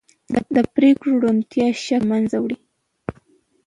د پرېکړو روڼتیا شک له منځه وړي